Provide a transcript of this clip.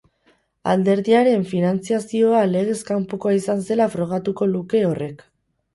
Alderdiaren finantziazioa legez kanpokoa izan zela frogatuko luke horrek.